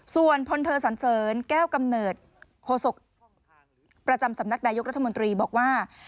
ส่วนพลโทสันเสริญแก้วกำเนิดโคศกประจำสำนักนายกรัฐมนตรีบอกว่า